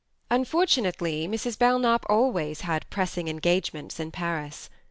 Unfortunately Mrs. Belknap always had pressing engagements in Paris.